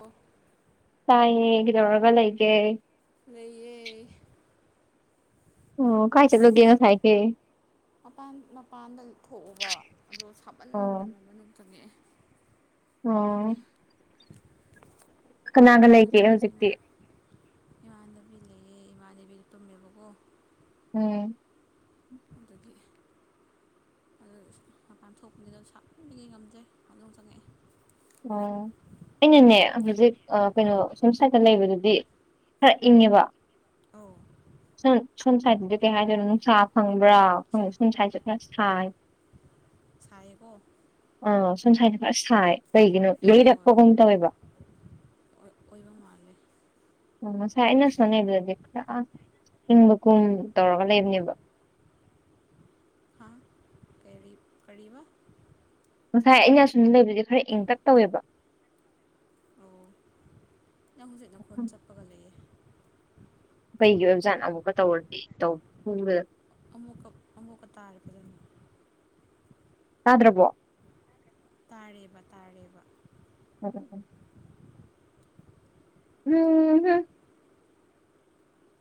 ꯑꯣ ꯇꯥꯏꯌꯦ ꯀꯩꯗꯧꯔꯒ ꯂꯩꯒꯦ ꯂꯩꯌꯦ ꯑꯣ ꯀꯥꯏ ꯑꯁ ꯆꯠꯂꯨꯒꯦ ꯉꯁꯥꯏꯀꯦ ꯃꯄꯥꯟ ꯃꯄꯥꯟꯗ ꯊꯣꯛꯎꯕ ꯑꯗꯣ ꯑꯣ ꯁꯥꯃꯟꯗꯅ ꯃꯅꯨꯡ ꯆꯪꯉꯛꯑꯦ ꯑꯣ ꯀꯅꯥꯒ ꯂꯩꯒꯦ ꯃꯅꯨꯡꯗ ꯏꯃꯥ ꯍꯧꯖꯤꯛꯇꯤ ꯏꯃꯥꯟꯅꯕꯤ ꯂꯩꯌꯦ ꯏꯃꯥꯟꯅꯕꯤꯗꯣ ꯇꯨꯝꯃꯦꯕꯀꯣ ꯎꯝ ꯑꯗꯨꯒꯤ ꯑꯗꯨ ꯃꯄꯥꯟ ꯊꯣꯛꯄꯅꯤꯗ ꯁꯥꯃꯟꯕꯒꯤ ꯉꯝꯗꯦ ꯃꯅꯨꯡ ꯆꯪꯉꯛꯑꯦ ꯑꯣ ꯑꯩꯅꯅꯦ ꯍꯧꯖꯤꯛ ꯑ ꯑꯧ ꯀꯩꯅꯣ ꯁꯣꯝ ꯁꯥꯏꯠ ꯂꯩꯕꯗꯨꯗꯤ ꯈꯔ ꯏꯪꯉꯦꯕ ꯑꯧ ꯁꯝ ꯁꯣꯝ ꯁꯥꯏꯠꯇꯗꯤ ꯀꯩ ꯍꯥꯏꯗꯣꯏꯅꯣ ꯅꯨꯡꯁꯥ ꯐꯪꯕ꯭ꯔꯥ ꯁꯣꯝ ꯁꯥꯏꯗꯁꯨ ꯈꯔ ꯁꯥꯏ [unintelligible] ꯁꯥꯏꯌꯦꯀꯣ ꯑ ꯁꯣꯝ ꯁꯥꯏꯠꯁꯦ ꯈꯔ ꯁꯥꯏ ꯀꯩꯒꯤꯅꯣ ꯍꯣꯏ ꯌꯩꯔꯛꯄꯒꯨꯝ ꯇꯧꯋꯦꯕ ꯑꯣꯏ ꯑꯣꯏꯕ ꯃꯥꯜꯂꯦ ꯑꯣ ꯉꯁꯥꯏ ꯑꯩꯅ ꯁꯣꯟꯅꯩꯕꯗꯗꯤ ꯈꯔ ꯑ ꯏꯡꯕ ꯀꯨꯝ ꯇꯧꯔꯒ ꯂꯩꯕꯅꯦꯕ ꯀꯔꯤꯞ ꯀꯔꯤꯕ ꯉꯁꯥꯏ ꯑꯩꯅ ꯑꯁꯨꯝꯗ ꯂꯩꯕꯗꯗꯤ ꯈꯔ ꯏꯪꯇꯛ ꯇꯧꯋꯦꯕ ꯑꯣ ꯅꯪ ꯍꯧꯖꯤꯛ ꯅꯈꯣꯟ ꯆꯠꯄꯒ ꯂꯩꯌꯦ ꯀꯩꯒꯤ ꯑꯣꯏꯕ ꯖꯥꯠꯅꯣ ꯑꯃꯨꯛꯀ ꯇꯧꯔꯗꯤ ꯇꯧ ꯄꯨ ꯑꯃꯨꯛꯀ ꯑꯃꯨꯛꯀ ꯇꯥꯔꯦ ꯐꯖꯅ ꯇꯥꯗ꯭ꯔꯕꯣ ꯇꯥꯔꯦꯕ ꯇꯥꯔꯦꯕ ꯎꯝ ꯎꯝ ꯎꯝ ꯍꯨꯝ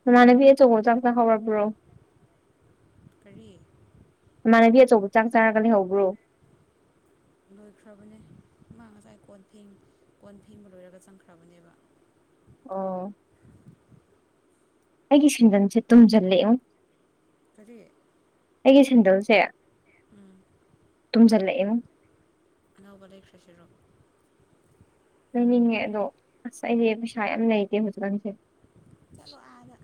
ꯅꯃꯥꯟꯅꯕꯤ ꯑꯆꯧꯕ ꯆꯥꯛ ꯆꯍꯥꯎꯔꯛꯕ꯭ꯔꯣ ꯀꯔꯤ ꯅꯃꯥꯟꯅꯕꯤ ꯑꯆꯧꯕ ꯆꯥꯛ ꯆꯥꯔꯒ ꯂꯩꯍꯧꯕ꯭ꯔꯣ ꯂꯣꯏꯈ꯭ꯔꯕꯅꯦ ꯃꯥ ꯉꯁꯥꯏ ꯀꯣꯟ ꯐꯦꯡ ꯀꯣꯟ ꯐꯦꯡꯕ ꯂꯣꯏꯔꯒ ꯆꯪꯈ꯭ꯔꯕꯅꯦꯕ ꯑꯣ ꯑꯩꯒꯤ ꯁꯦꯟꯗꯟꯁꯦ ꯇꯨꯝꯁꯤꯜꯂꯛꯑꯦꯕꯣ ꯀꯔꯤ ꯑꯩꯒꯤ ꯁꯦꯟꯗꯜꯁꯦ ꯎꯝ ꯇꯨꯝꯁꯤꯜꯂꯛꯑꯦꯉꯣ ꯑꯅꯧꯕ ꯂꯩꯈ꯭ꯔꯁꯤꯔꯣ ꯂꯩꯅꯤꯡꯉꯦ ꯑꯗꯣ ꯑꯁ ꯑꯩꯗꯤ ꯄꯩꯁꯥ ꯌꯥꯝ ꯂꯩꯇꯦ ꯍꯧꯖꯤꯛꯀꯥꯟꯁꯦ ꯆꯠꯂꯣ ꯑꯥꯗ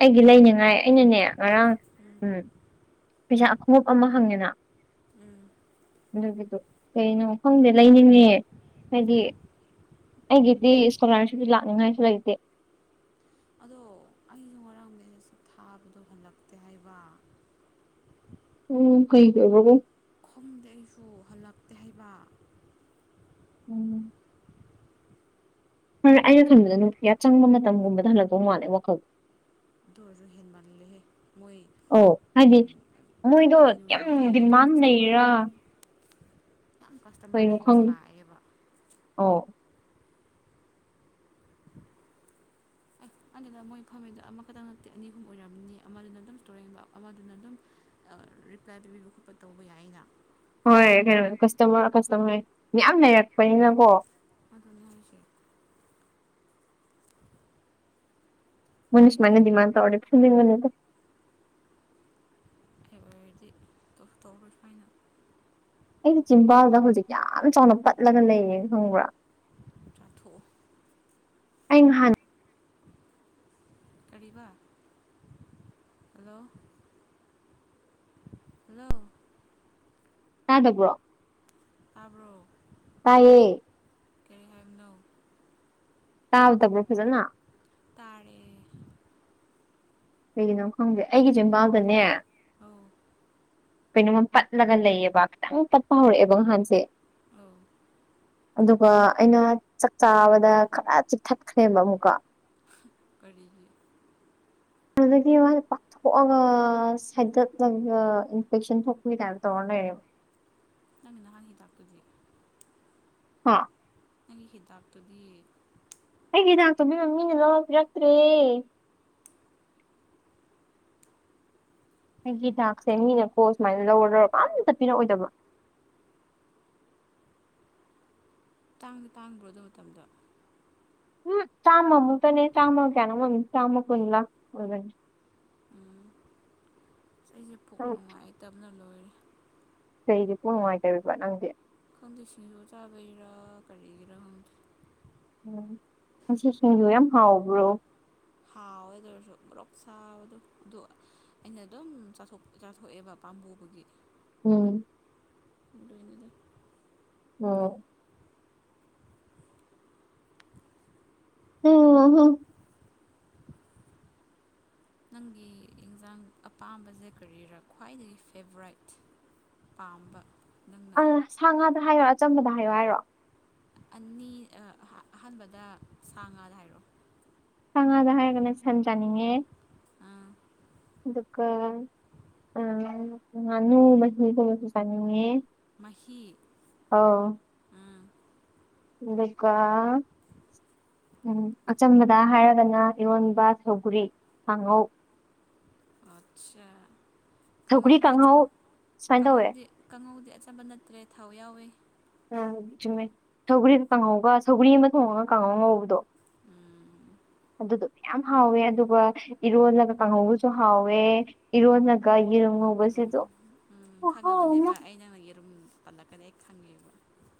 ꯑꯩꯒꯤ ꯂꯩꯅꯤꯡꯉꯥꯏ ꯑꯩꯅꯅꯦ ꯉꯔꯥꯡ ꯎꯝ ꯄꯩꯁꯥ ꯈꯣꯡꯎꯞ ꯑꯃ ꯍꯪꯉꯦ ꯅ ꯎꯝ ꯑꯗꯨꯒꯤꯗꯣ ꯀꯩꯅꯣ ꯈꯪꯗꯦ ꯂꯩꯅꯤꯡꯉꯦ ꯍꯥꯏꯗꯤ ꯑꯩꯒꯤꯗꯤ ꯏꯁꯀꯣꯂꯥꯔꯁꯤꯞꯁꯨ ꯂꯥꯛꯅꯤꯡꯉꯥꯏꯁꯨ ꯂꯩꯇꯦ ꯑꯗꯣ ꯑꯩꯁꯨ ꯉꯔꯥꯡ ꯃ ꯊꯥꯕꯗꯣ ꯍꯜꯂꯛꯇꯦ ꯍꯥꯏꯕ ꯎꯝ ꯀꯩꯗꯔꯕꯕꯣ ꯈꯣꯡꯗꯦ ꯑꯩꯁꯨ ꯍꯜꯂꯛꯇꯦ ꯍꯩꯕ ꯎꯝ ꯐꯔꯦ ꯑꯩꯅ ꯈꯟꯕꯗ ꯅꯨꯡꯄꯤꯌꯥ ꯆꯪ ꯃꯇꯝꯒꯨꯝꯕꯗ ꯍꯜꯂꯛꯗꯧ ꯃꯥꯜꯂꯦ ꯋꯥꯈꯜꯗ ꯑꯗꯨ ꯑꯣꯏꯔꯁꯨ ꯍꯦꯟ ꯃꯥꯜꯂꯦꯍꯦ ꯃꯣꯏ ꯑꯧ ꯍꯥꯏꯗꯤ ꯃꯣꯏꯗꯣ ꯑꯌꯨꯛꯇꯒꯤ ꯌꯥꯝ ꯅꯨꯡꯗꯥꯡ ꯐꯥꯎꯕ ꯑꯗꯨꯝ ꯗꯤꯃꯥꯟ ꯀꯁꯇꯃꯔ ꯂꯩꯔꯥ ꯌꯥꯝ ꯀꯁꯇꯃꯔ ꯂꯩꯕ ꯁꯥꯏꯌꯦꯕ ꯑꯥꯎ ꯑꯦ ꯑꯗꯨꯗ ꯃꯣꯏ ꯐꯝꯃꯤꯗꯨ ꯑꯃꯈꯛꯇꯪ ꯅꯠꯇꯦ ꯑꯅꯤ ꯑꯍꯨꯝ ꯑꯣꯏꯔꯝꯅꯤ ꯑꯃꯗꯨꯅ ꯑꯗꯨꯝ ꯇꯣꯔꯦꯟꯕ ꯑꯃꯗꯨꯅ ꯑꯗꯨꯝ ꯔꯤꯄ꯭ꯂꯥꯏ ꯄꯤꯕꯤꯕ ꯈꯣꯠꯄ ꯇꯧꯕ ꯌꯥꯏꯅ ꯍꯣꯏ ꯀꯩꯅꯣ ꯀꯁꯇꯃꯔ ꯀꯁꯇꯃꯔ ꯌꯥꯝ ꯂꯩꯔꯛꯄꯅꯤꯅꯀꯣ ꯑꯗꯨꯅꯦ ꯍꯥꯏꯁꯦ ꯃꯣꯏꯅ ꯁꯨꯃꯥꯏ ꯗꯤꯃꯥꯟ ꯇꯧꯔꯗꯤ ꯐꯨꯅꯤꯡꯅꯤꯗ ꯍꯥꯏꯕꯔꯗꯤ ꯇꯧꯔ ꯐꯥꯏꯅ ꯑꯩꯗꯤ ꯆꯤꯝꯕꯥꯜꯗ ꯍꯧꯖꯤꯛ ꯌꯥꯝ ꯆꯥꯎꯅ ꯄꯠꯂꯒ ꯂꯩꯌꯦ ꯈꯪꯕ꯭ꯔꯥ ꯆꯥꯊꯣꯛꯑꯣ ꯑꯩ ꯍ ꯀꯔꯤꯕ ꯍꯜꯂꯣ ꯍꯜꯂꯣ ꯇꯥꯗꯕ꯭ꯔꯣ ꯇꯥꯕ꯭ꯔꯣ ꯇꯥꯏꯌꯦ ꯀꯔꯤ ꯍꯥꯏꯃꯤꯅꯧ ꯇꯥꯕꯗꯕ꯭ꯔꯣ ꯐꯖꯅ ꯇꯥꯔꯦ ꯀꯩꯒꯤꯅꯣ ꯈꯪꯗꯦ ꯑꯩꯒꯤꯁꯨꯦ ꯏꯝꯕꯥꯜꯗꯅꯦ ꯑ ꯀꯩꯅꯣꯃ ꯄꯠꯂꯒ ꯂꯩꯌꯦꯕ ꯈꯤꯇꯪ ꯄꯠꯄ ꯍꯧꯔꯛꯑꯦꯕ ꯉꯍꯥꯟꯁꯦ ꯑ ꯑꯗꯨꯒ ꯑꯩꯅ ꯆꯥꯛ ꯆꯥꯕꯗ ꯈꯔ ꯆꯤꯛꯊꯠꯈ꯭ꯔꯦꯕ ꯑꯃꯨꯛꯀꯣ ꯀꯔꯤꯒꯤ ꯑꯗꯒꯤ ꯋꯥ ꯄ ꯊꯣꯛꯑꯒ ꯁꯥꯏꯗꯠꯂꯒ ꯏꯟꯐꯦꯛꯁꯟ ꯊꯣꯛꯄꯅꯤ ꯀꯥꯏꯅ ꯇꯧꯔ ꯂꯩꯔꯦꯕ ꯅꯅꯥ ꯍ ꯇꯥꯛꯄꯒ ꯍꯥ ꯅꯪꯒꯤ ꯍꯤꯗꯥꯛꯇꯨꯗꯤ ꯑꯩꯒꯤ ꯍꯤꯗꯥꯛꯇꯣ ꯃꯤꯃꯝ ꯃꯤꯅ ꯂꯧꯔ ꯄꯤꯔꯛꯇ꯭ꯔꯦ ꯑꯩꯒꯤ ꯗꯥꯛꯁꯦ ꯃꯤꯅꯀꯣ ꯁꯨꯃꯥꯏꯅ ꯂꯧꯔ ꯂꯧꯔ ꯑꯝꯇ ꯄꯤꯔꯛꯑꯣꯏꯗꯕ ꯇꯥꯡꯗꯤ ꯇꯥꯡꯕ꯭ꯔꯣ ꯑꯗꯨ ꯃꯇꯝꯗꯣ ꯎꯝ ꯆꯥꯃ ꯃꯨꯛꯇꯅꯦ ꯆꯥꯃ ꯀꯌꯥꯅꯣꯝ ꯑꯣꯏꯕꯅꯦ ꯆꯥꯃ ꯀꯨꯟꯂꯥ ꯑꯣꯏꯕꯥꯅꯤ ꯎꯝ ꯑꯩꯁꯦ ꯄꯨꯛ ꯅꯪ ꯅꯨꯡꯉꯥꯏꯇꯕꯅ ꯂꯣꯏꯔꯦ ꯀꯩꯒꯤ ꯄꯨ ꯅꯨꯡꯉꯥꯏꯇꯔꯤꯕ ꯅꯪꯗꯤ ꯀꯟꯗꯦ ꯁꯤꯟꯖꯨ ꯆꯥꯕꯥꯩꯔ ꯀꯔꯤꯒꯤꯔ ꯎꯝ ꯉꯥꯁꯤꯡꯖꯨ ꯌꯥꯝ ꯍꯥꯎꯕ꯭ꯔꯣ ꯍꯥꯎꯋꯦ ꯑꯗꯨ ꯑꯣꯏꯔꯁꯨ ꯄꯨꯂꯞ ꯁꯥꯎꯕꯗ ꯑꯗꯨ ꯑꯩꯅ ꯑꯗꯨꯝ ꯆꯥꯊꯣꯛ ꯆꯥꯊꯣꯛꯑꯦꯕ ꯄꯥꯝꯕꯨꯕꯒꯤ ꯎꯝ ꯑꯗꯨꯏꯅꯤꯗ ꯑꯣ ꯎꯝꯍꯨꯝ ꯅꯪꯒꯤ ꯑꯦꯟꯖꯡ ꯑꯄꯥꯝꯕꯁꯦ ꯀꯔꯤꯔꯥ ꯈ꯭ꯋꯥꯏꯗꯒꯤ ꯐꯦꯕꯣꯔꯥꯏꯠ ꯄꯥꯝꯕ ꯑ ꯁꯥ ꯉꯥꯗ ꯍꯥꯏꯔꯣ ꯑꯆꯝꯕꯗ ꯍꯥꯏꯌꯣ ꯍꯥꯏꯔꯣ ꯑꯅꯤ ꯑ ꯑꯍ ꯑꯍꯥꯟꯕꯗ ꯁꯥ ꯉꯥꯗ ꯍꯥꯏꯔꯣ ꯁꯥ ꯉꯥꯗ ꯍꯥꯏꯔꯒꯅ ꯁꯟ ꯆꯥꯅꯤꯡꯉꯦ ꯑꯥ ꯑꯗꯨꯒ ꯎꯝ ꯉꯥꯅꯨ ꯃꯍꯤꯒꯨꯝꯕꯁꯨ ꯆꯥꯅꯤꯡꯉꯦ ꯃꯍꯤ ꯑꯧ ꯎꯝ ꯗꯨꯒ ꯎꯝ ꯑꯆꯝꯕꯗ ꯍꯥꯏꯔꯒꯅ ꯏꯔꯣꯟꯕ ꯁꯧꯒꯔ꯭ꯤ ꯀꯥꯡꯉꯧ ꯑ ꯁꯧꯒ꯭ꯔꯤ ꯀꯪꯉꯧꯗꯤ ꯀꯥꯡꯍꯧ ꯁꯨꯃꯥꯏꯅ ꯇꯧꯋꯦ ꯀꯪꯉꯧꯗꯤ ꯀꯥꯡꯉꯧꯗꯤ ꯑꯆꯝꯕ ꯅꯠꯇ꯭ꯔꯦ ꯊꯥꯎ ꯌꯥꯎꯋꯤ ꯎꯝ ꯆꯨꯝꯃꯦ ꯁꯧꯒꯔꯤ ꯀꯥꯡꯍꯧꯒ ꯁꯧꯒ꯭ꯔꯤ ꯑꯃ ꯊꯣꯡꯉꯒ ꯀꯥꯡꯍꯧ ꯑꯃꯥ ꯉꯧꯕꯗꯣ ꯑꯗꯨꯗꯣ ꯃꯌꯥꯝ ꯍꯥꯎꯋꯦ ꯑꯗꯨꯒ ꯏꯔꯣꯜꯂꯒ ꯀꯥꯡꯉꯧꯒꯥꯁꯨ ꯍꯥꯎꯋꯦ ꯏꯔꯣꯜꯂꯒ ꯌꯦꯔꯨꯝ ꯉꯧꯕꯁꯤꯁꯨ ꯎꯝ ꯈꯨꯍꯥꯎ ꯑꯃ ꯈꯪꯉꯕꯅꯦꯕ ꯑꯩ ꯅꯪꯅꯥ ꯌꯦꯔꯨꯝ ꯄꯜꯂꯛꯀꯅꯤ ꯑꯩ ꯈꯪꯉꯦꯕ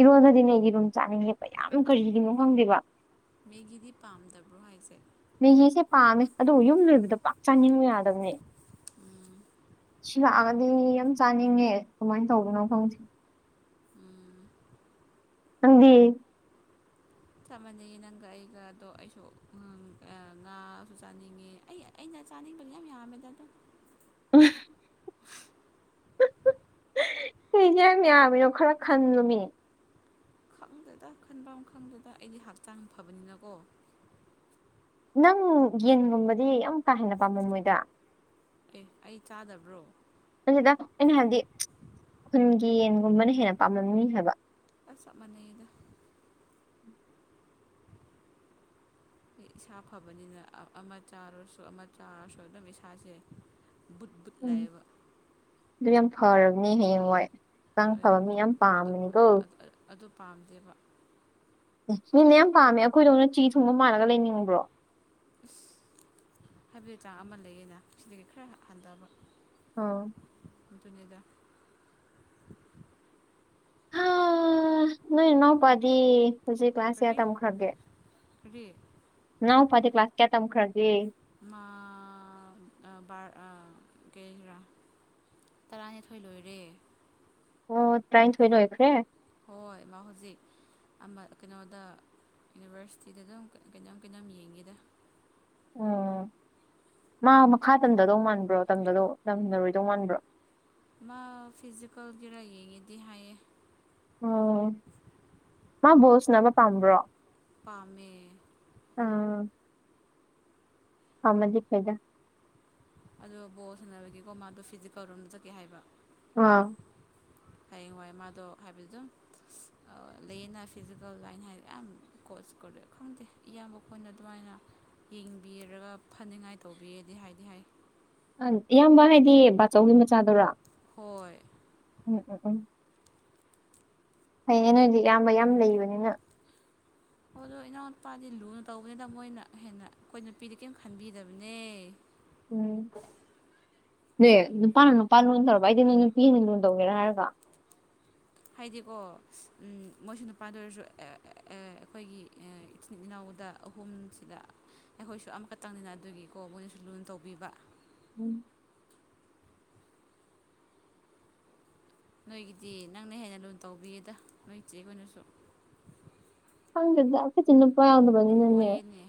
ꯏꯔꯣꯟꯗꯗꯤꯅꯦ ꯌꯦꯔꯨꯝ ꯆꯥꯅꯤꯡ ꯌꯦꯛꯄ ꯌꯥꯝ ꯀꯔꯤꯒꯤꯅꯣ ꯈꯪꯗ꯭ꯦꯕ ꯃꯤꯒꯤꯗꯤ ꯄꯥꯝꯗꯕ꯭ꯔꯣ ꯍꯥꯏꯁꯦ ꯃꯦꯒꯤꯁꯦ ꯄꯥꯝꯃꯦ ꯑꯗꯨꯕꯨ ꯌꯨꯝ ꯂꯩꯕꯗꯣ ꯄꯥꯛ ꯆꯥꯅꯤꯡꯕ ꯌꯥꯗꯕꯅꯦ ꯎꯝ ꯁꯤ ꯂꯥꯛꯑꯒꯗꯤ ꯌꯥꯝ ꯆꯥꯅꯤꯡꯉꯦ ꯀꯃꯥꯏꯅ ꯇꯧꯕꯅꯣ ꯈꯪꯗꯦ ꯎꯝ ꯅꯪꯗꯤ ꯆꯞ ꯃꯥꯟꯅꯩꯌꯦ ꯅꯪꯒ ꯑꯩꯒꯗꯣ ꯑꯩꯁꯨ ꯉꯥꯁꯨ ꯆꯥꯅꯤꯡꯉꯦ ꯑꯩ ꯑꯩꯅ ꯆꯥꯥꯟꯅꯤꯡꯕ ꯃꯌꯥꯝ ꯌꯥꯝꯃꯦꯗꯗꫭ [unintelligible] ꯀꯔꯤꯒꯤꯔ ꯌꯥꯝ ꯌꯥꯝꯃꯤꯔꯣ ꯈꯔ ꯈꯟꯂꯨꯃꯤ ꯈꯪꯗꯦꯗ ꯈꯟꯐꯝ ꯈꯪꯗꯦꯗ ꯑꯩꯗꯤ ꯍꯛꯆꯥꯡ ꯐꯕꯅꯤꯅꯀꯣ ꯅꯪ ꯌꯦꯟꯒꯨꯝꯕꯗꯤ ꯌꯥꯝ ꯀꯥ ꯍꯦꯟꯅ ꯄꯥꯝꯃꯝ ꯃꯣꯏꯗ ꯑꯦ ꯑꯩ ꯆꯥꯗꯕ꯭ꯔꯣ ꯅꯠꯇꯦꯗ ꯑꯩꯅ ꯍꯥꯏꯕꯗꯤ ꯈꯨꯟꯒꯤ ꯌꯦꯟꯒꯨꯝꯕꯅ ꯍꯦꯟꯅ ꯄꯥꯝꯂꯝꯅꯤ ꯍꯥꯏꯕ ꯑꯁ ꯆꯞ ꯃꯥꯟꯅꯩꯗ ꯑꯩ ꯏꯁꯥ ꯐꯕꯅꯤꯅ ꯑꯃ ꯆꯥꯔꯨꯔꯁꯨ ꯑꯃ ꯆꯥꯔꯁꯨ ꯑꯗꯨꯝ ꯏꯁꯥꯁꯦ ꯕꯨꯠꯕꯨꯠ ꯎꯝ ꯂꯩꯕ ꯑꯗꯨ ꯌꯥꯝ ꯐꯔꯕꯅꯦ ꯍꯌꯦꯡ ꯋꯥꯏ ꯑ ꯑꯩ ꯑꯗꯨ ꯄꯥꯝꯗꯦꯕ ꯃꯤꯅ ꯌꯥꯝ ꯄꯥꯝꯃꯦ ꯑꯩꯈꯣꯏꯗꯧꯅ ꯆꯤ ꯊꯨꯡꯕ ꯃꯥꯜꯂꯒ ꯂꯩꯅꯤꯡꯕ꯭ꯔꯣ ꯑꯁ ꯍꯥꯏꯕꯗꯤ ꯆꯥꯡ ꯑꯃ ꯂꯩꯌꯦꯅ ꯁꯤꯗꯒꯤ ꯈꯔ ꯍꯟꯊꯕ [inaudible] ꯑꯗꯨꯅꯤꯗ ꯍꯥ ꯅꯣꯏ ꯅꯅꯥꯎꯄꯥꯗꯤ ꯍꯧꯖꯤꯛ ꯀ꯭ꯂꯥꯁ ꯀꯌꯥ ꯀꯔꯤ ꯇꯝꯈ꯭ꯔꯒꯦ꯫ [inaudible] ꯅꯅꯥꯎ ꯄꯥꯗꯤ ꯀ꯭ꯂꯥꯁ ꯀꯌꯥ ꯇꯝꯈ꯭ꯔꯒꯦ ꯃꯥ ꯕꯥꯔ ꯑꯥ ꯀꯦꯔꯥ ꯇꯔꯥꯅꯤꯊꯣꯏ ꯂꯣꯏꯔꯦ ꯑꯣ ꯇꯔꯥꯅꯤꯊꯣꯏ ꯂꯣꯏꯈ꯭ꯔꯦ ꯍꯣꯏ ꯃꯥ ꯍꯧꯖꯤꯛ ꯑꯃ ꯀꯩꯅꯣꯗ ꯌꯨꯅꯤꯚꯔꯁꯤꯇꯤꯗ ꯑꯗꯨꯝ ꯀꯩꯅꯣꯝ ꯀꯩꯅꯣꯝ ꯌꯦꯡꯒꯦꯗ ꯎꯝ ꯃꯥ ꯃꯈꯥ ꯇꯝꯊꯗꯧ ꯃꯥꯟꯕ꯭ꯔꯣ ꯇꯝꯗꯗꯧ ꯇꯝꯅꯔꯣꯏꯗꯧ ꯃꯥꯟꯕ꯭ꯔꯣ ꯃꯥ ꯐꯤꯖꯤꯀꯦꯜꯒꯤ ꯂꯥꯏ ꯌꯦꯡꯉꯤꯗꯤ ꯍꯥꯏꯌꯦ ꯑꯣ ꯃꯥ ꯕꯣꯁꯅꯕ ꯄꯥꯝꯕ꯭ꯔꯣ ꯄꯥꯥꯝꯃꯦ ꯍ ꯃꯗꯤ ꯐꯩꯗ ꯑꯗꯣ ꯕꯣꯜ ꯁꯥꯟꯅꯕꯒꯤꯦꯀꯣ ꯃꯥꯗꯣ ꯐꯤꯖꯤꯛ ꯀꯧꯔꯣꯝꯗ ꯆꯠꯀꯦ ꯍꯥꯏꯕ ꯑ ꯍꯌꯦꯡꯋꯥꯏ ꯃꯥꯗꯣ ꯍꯥꯏꯕꯤꯗꯣ ꯂꯩꯌꯦꯅ ꯐꯤꯖꯤꯀꯦꯜ ꯂꯥꯏꯟ ꯍꯥꯏꯔꯦ ꯌꯥꯝ ꯀꯣꯆ ꯀꯧꯗꯦ ꯈꯪꯗꯦ ꯏꯌꯥꯝꯕ ꯀꯣꯏꯅ ꯑꯗꯨꯃꯥꯏꯅ ꯌꯦꯡꯕꯤꯔꯒ ꯐꯅꯤꯉꯥꯏ ꯇꯧꯕꯤꯔꯗꯤ ꯍꯥꯏꯗꯤ ꯍꯥꯏ ꯏꯌꯥꯝꯕ ꯍꯥꯏꯗꯤ ꯕꯥꯆꯧꯒꯤ ꯃꯆꯥꯗꯨꯔꯥ ꯍꯣꯏ ꯎꯝ ꯎꯝ ꯎꯝ ꯐꯩꯌꯦꯅꯦ ꯅꯣꯏꯗꯤ ꯏꯌꯥꯝꯕ ꯌꯥꯝ ꯂꯩꯕꯅꯤꯅ ꯑꯣ ꯑꯗꯣ ꯏꯅꯥꯎꯅ ꯅꯨꯄꯥꯗꯤ ꯂꯨꯅ ꯇꯧꯕꯅꯤꯗ ꯃꯣꯏꯅ ꯍꯦꯟꯅ ꯑꯩꯈꯣꯏ ꯅꯨꯄꯤꯗꯤ ꯀꯔꯤꯝ ꯈꯟꯕꯤꯗꯕꯅꯦ ꯎꯝ ꯅ ꯅꯨꯄꯥꯅ ꯅꯨꯄꯥ ꯂꯣꯟ ꯇꯧꯔꯕ ꯑꯩꯗꯤ ꯅꯣꯏ ꯅꯨꯄꯤꯅ ꯂꯣꯟ ꯇꯧꯒꯦꯔꯥ ꯍꯥꯏꯔꯒ ꯍꯥꯏꯗꯤꯀꯣ ꯃꯣꯏꯁꯨ ꯅꯨꯄꯥꯗ ꯑꯣꯏꯔꯁꯨ ꯑꯩꯈꯣꯏꯒꯤ ꯏꯆꯤꯟ ꯏꯅꯥꯎꯗ ꯑꯍꯨꯝꯁꯤꯗ ꯑꯩꯈꯣꯏꯁꯨ ꯑꯃꯈꯛꯇꯪꯅꯤꯅ ꯑꯗꯨꯒꯤꯀꯣ ꯃꯣꯏꯅꯁꯨ ꯂꯨꯅꯥ ꯇꯧꯕꯤꯕ ꯎꯝ ꯅꯣꯏꯒꯤꯗꯤ ꯅꯪꯅ ꯍꯦꯟꯅ ꯂꯨꯅ ꯇꯧꯕꯤꯌꯦꯗ ꯅꯣꯏ ꯆꯦ ꯍꫭꯏꯅꯁꯨ ꯈꯪꯗꯦꯗ ꯑꯩꯈꯣꯏꯗꯤ ꯅꯨꯄꯥ ꯌꯥꯎꯗꯕꯅꯤ ꯅꯅꯦ ꯑꯣꯏꯌꯦꯅꯦ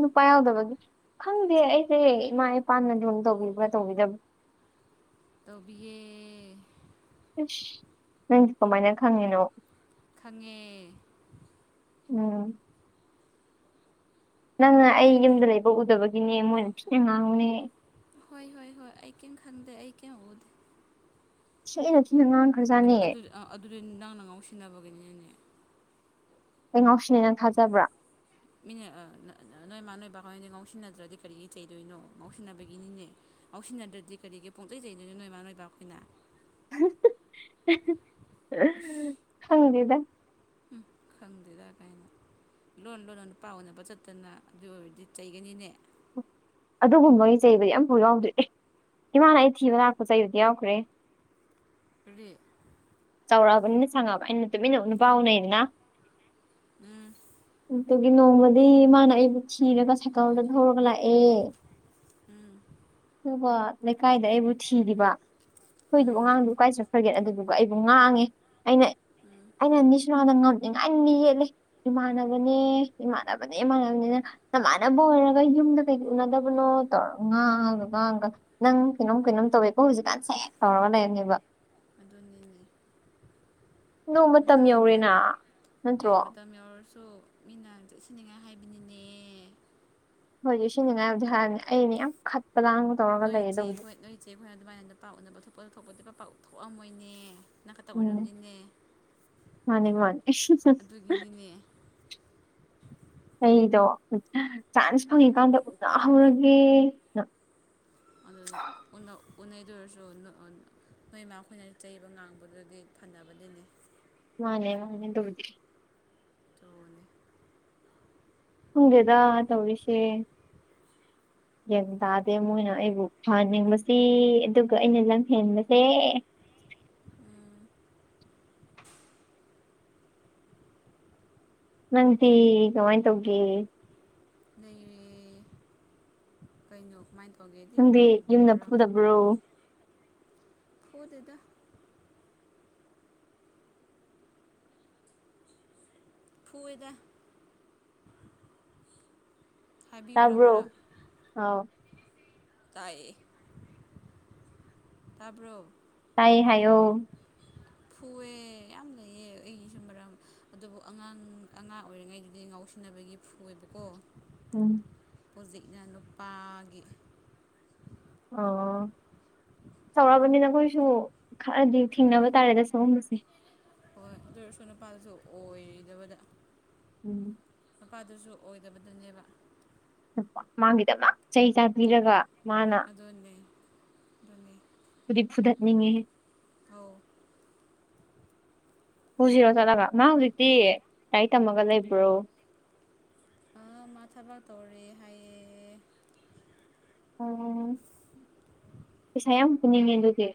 ꯅꯨꯄꯥ ꯌꯥꯎꯗꯕꯒꯤ ꯈꯪꯗꯦ ꯑꯩꯁꯦ ꯏꯃꯥ ꯏꯄꯥꯅ ꯂꯨꯅ ꯇꯧꯕꯤꯕ꯭ꯔꯥ ꯇꯧꯕꯤꯗꯕ꯭ꯔꯥ ꯇꯕꯤ ꯅꯪꯗꯤ ꯀꯃꯥꯏꯅ ꯈꯪꯉꯤꯅꯣ ꯈꯪꯉꯦ ꯎꯝ ꯅꯪꯅ ꯑꯩ ꯌꯨꯝꯗ ꯂꯩꯕ ꯎꯗꯕꯒꯤꯅꯦ ꯃꯣꯏꯅ ꯤꯅ ꯉꯥꯡꯨꯅꯦ ꯍꯣꯏ ꯍꯣꯏ ꯍꯣꯏ ꯑꯩ ꯀꯩꯝ ꯈꯟꯗꯦ ꯑꯩ ꯀꯩꯝ ꯎꯗꯦ ꯁꯤ ꯑꯗꯨꯗꯤ ꯅꯪ ꯅ ꯉꯥꯎ ꯁꯤꯟꯅꯕꯒꯤꯅꯤꯅꯦꯅꯦ ꯀꯩ ꯉꯥꯎꯁꯤꯅꯦ ꯅꯪ ꯊꯥꯖꯕ꯭ꯔꯥ ꯃꯤꯅꯦ ꯅꯣꯏ ꯏꯃꯥ ꯅꯣꯏꯕ ꯀꯗꯤ ꯉꯥꯎꯁꯤꯟꯅꯗ꯭ꯔꯗꯤ ꯀꯔꯤꯒꯤ ꯆꯩꯗꯣꯏꯅꯣ ꯉꯥꯎꯁꯤꯟꯅꯕꯒꯤꯅꯤꯅꯦ ꯍꯧꯥꯎꯁꯤꯟꯅꯗ꯭ꯔꯗꯤ ꯀꯔꯤꯒꯤ ꯄꯣꯡꯆꯩꯖꯩꯗꯣꯏꯅ ꯅꯣꯏꯃꯥ ꯅꯣꯏꯕ ꯑꯩꯈꯣꯏꯅ ꯍꯪꯗ ꯎꯝ ꯈꯪꯗꯦꯗ ꯀꯥꯏꯅ ꯂꯣꯟ ꯂꯣꯟ ꯅꯨꯄꯥ ꯑꯣꯏꯅꯕ ꯆꯠꯇꯅ ꯑꯗꯨ ꯑꯣꯏꯔꯗꯤ ꯆꯩꯒꯅꯤꯅꯦ ꯑꯗꯨꯒꯨꯝꯕꯒꯤ ꯆꯩꯕꯗꯤ ꯌꯥꯝꯐ ꯌꯥꯎꯗ꯭ꯔꯤꯦ ꯑꯦ ꯏꯃꯥꯅ ꯑꯩ ꯊꯤꯕ ꯂꯥꯛꯄ ꯆꯩꯕꯗꯤ ꯌꯥꯎꯈ꯭ꯔꯦ ꯐꯔꯤ ꯆꯥꯎꯔꯛꯑꯕꯅꯤꯅ ꯁꯪꯉꯑꯕ ꯑꯩꯅ ꯇꯨꯃꯤꯟꯅ ꯅꯨ ꯄꯥꯎꯅꯅ ꯎꯝ ꯑꯗꯨꯒꯤ ꯅꯣꯡꯃꯗꯤ ꯃꯥꯅ ꯑꯩꯕꯨ ꯊꯤꯔꯒ ꯁꯀꯜꯗ ꯍꯒꯂ ꯑꯦ ꯎꯝ ꯑꯗꯨꯒ ꯂꯩꯀꯥꯏꯗ ꯑꯩꯕꯨ ꯊꯤꯔꯤꯕ ꯑꯩꯈꯣꯏꯗꯨꯕꯨ ꯎꯝ ꯑꯉꯥꯡꯗꯨ ꯎ ꯀꯥꯏ ꯆꯠꯈ꯭ꯔꯒꯦ ꯑꯗꯨꯗꯨꯒ ꯑꯩꯕꯨ ꯉꯥꯡꯉꯦ ꯑꯩꯅ ꯎꯝ ꯑꯩꯅ ꯅꯤꯁꯔꯗ ꯉꯝꯅꯤꯡꯉꯥꯏ ꯌꯦꯠꯂ ꯏꯃꯥꯟꯅꯕꯅꯦ ꯏꯃꯥꯟꯅꯕꯅꯦ ꯏꯃꯥꯟꯅꯕꯅꯤꯅ ꯆꯃꯥꯟꯅꯕ ꯑꯣꯏꯔꯒ ꯌꯨꯝꯗ ꯀꯩ ꯎꯅꯗꯕꯅꯣ ꯇꯧꯔ ꯉꯥꯡꯕꯒꯥꯡꯒ ꯅꯪ ꯀꯩꯅꯣꯝ ꯀꯩꯅꯣꯝ ꯇꯧꯋꯦꯀꯣ ꯍꯧꯖꯤꯛꯀꯥꯟꯁꯦ ꯇꯧꯔꯒ ꯂꯩꯔꯅꯦꯕ ꯑꯗꯨꯅꯤꯅꯦ ꯅꯣꯡ ꯃꯇꯝ ꯌꯧꯔꯦꯅ ꯅꯥꯟꯗ꯭ꯔꯗꯤ ꯅꯠꯇ꯭ꯔꯣ ꯑꯦ ꯃꯇꯝ ꯌꯥꯎꯔꯁꯨ ꯃꯤꯅ ꯆꯠꯁꯤꯅꯤꯡꯉꯥꯏ ꯍꯥꯏꯕꯅꯤꯅꯦ ꯍꯣꯏꯗꯤ ꯁꯤꯅꯤꯉꯥꯏꯕꯗꯤ ꯍꯥꯏꯕꯅꯦ ꯑꯩꯅ ꯌꯥꯝ ꯈꯠꯄ ꯂꯥꯡꯕ ꯇꯧꯔꯒ ꯅꯣꯏ ꯂꯩꯌꯦ ꯆꯆꯦ ꯑꯗꯨꯕꯨꯗꯤ ꯑꯩꯈꯣꯏ ꯅꯣꯏ ꯆꯦ ꯑꯩꯈꯣꯏꯅ ꯑꯗꯨꯃꯥꯏꯅ ꯑꯗꯨ ꯄꯥꯛ ꯎꯅꯕ ꯊꯣꯛꯄ ꯊꯣꯛꯄꯗꯨ ꯄ ꯄꯥꯛ ꯊꯣꯛꯑꯝꯃꯣꯏꯅꯦ ꯅꯅꯥꯀꯛꯇ ꯎꯝ ꯑꯣꯏꯔꯝꯅꯤꯅꯦ ꯃꯥꯅꯤ ꯃꯥꯅꯤ ꯑꯗꯨꯒꯤꯅꯤꯅꯦ ꯑꯩꯗꯣ ꯆꯥꯟꯁ ꯐꯪꯉꯤꯀꯥꯟꯗ ꯎꯅ ꯍꯧꯔꯒꯦ ꯑꯗꯨ ꯎꯅ ꯎꯩꯗꯨ ꯑꯣꯏꯔꯁꯨ ꯅꯣꯏ ꯏꯃ ꯑꯩꯈꯣꯏꯅ ꯆꯩꯕ ꯉꯥꯡꯕꯗꯨꯒꯤ ꯐꯅꯕꯗꯤꯅꯤ ꯃꯥꯅꯦ ꯃꯥꯅꯦ ꯔꯗꯤꯦ ꯇꯅꯦ ꯐꯪꯗꯦꯗ ꯇꯧꯔꯤꯁꯦ ꯒ꯭ꯟ ꯇꯥꯗꯦ ꯃꯣꯏꯅ ꯑꯩꯕꯨ ꯐꯍꯟꯅꯤꯡꯕꯁꯤ ꯑꯗꯨꯒ ꯑꯩꯅ ꯂꯝꯪꯍꯦꯟꯕꯁꯦ ꯎꯝ ꯅꯪꯗꯤ ꯀꯃꯥꯏꯅ ꯇꯧꯒꯦ ꯂꯩꯔꯦ ꯀꯩꯅꯣ ꯀꯃꯥꯏꯅ ꯇꯧꯒꯦꯗꯤ ꯅꯪꯗꯤ ꯀꯔ ꯌꯨꯝꯗ ꯀꯔꯝꯕ ꯐꯨꯗꯕ꯭ꯔꯣ ꯑꯣꯗꯦꯗ ꯐꯨꯏꯗ ꯍꯥꯏꯕꯤꯌꯨꯔꯥ ꯇꯕ꯭ꯔꯣ ꯃꯔꯛ ꯑꯥꯎ ꯇꯥꯏꯦ ꯇꯥꯕ꯭ꯔꯣ ꯇꯥꯏ ꯍꯥꯏꯌꯧ ꯐꯨꯑꯦ ꯌꯥꯝ ꯂꯩꯑ ꯑꯩꯒꯤꯁꯨ ꯃꯔꯝ ꯑꯗꯨꯕꯨ ꯑꯉꯥꯡ ꯑꯉꯥꯡ ꯑꯣꯏꯔꯤꯉꯩꯗꯨꯗꯤ ꯉꯥꯎꯁꯤꯟꯅꯕꯒꯤ ꯐꯨꯣꯏꯕꯀꯣ ꯎꯝ ꯄꯨꯖꯤꯛꯅ ꯅꯨꯄꯥꯒꯤ ꯑ ꯁꯧꯔꯛꯑꯔꯕꯅꯤꯅ ꯑꯩꯈꯣꯏꯁꯨ ꯈꯔꯗꯤ ꯊꯦꯡꯅꯕ ꯇꯥꯔꯦꯗ ꯁꯒꯨꯝꯕꯁꯦ ꯍꯣꯏ ꯑꯗꯨ ꯑꯣꯏꯔꯁꯨ ꯅꯨꯄꯥꯜꯁꯨ ꯑꯣꯏꯗꯕꯗ ꯎꯝ ꯃꯄꯥꯗꯨꯁꯨ ꯑꯣꯏꯗꯕꯗꯨꯅꯦꯕ ꯃꯥꯒꯤꯗꯞꯅ ꯆꯩ ꯆꯥꯕꯤꯔꯒ ꯃꯥꯅ ꯑꯗꯨꯗꯟꯅꯦ ꯑꯗꯨꯅꯤ ꯐꯗꯤ ꯐꯨꯊꯠꯅꯤꯡꯉꯦꯦ ꯑ ꯄꯨꯁꯤꯔꯣ ꯆꯠꯂꯒ ꯃꯥ ꯍꯧꯖꯤꯛꯇꯤ ꯂꯥꯏꯔꯤꯛ ꯇꯝꯃꯒ ꯂꯩꯕ꯭ꯔꯣ ꯑ ꯃꯥ ꯊꯕꯥꯛ ꯇꯧꯔꯤ ꯍꯥꯏꯌꯦꯦ ꯑꯣ ꯄꯩꯁꯥ ꯌꯥꯝ ꯄꯨꯅꯤꯡꯉꯦ ꯑꯗꯨꯗꯤ